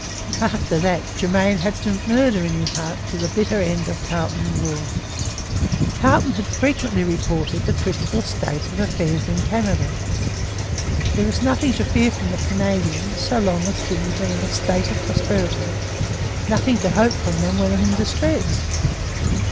After that Germain had murder in his heart to the bitter end of Carleton's rule. Carleton had frequently reported the critical state of affairs in Canada. 'There is nothing to fear from the Canadians so long as things are in a state of prosperity; nothing to hope from them when in distress.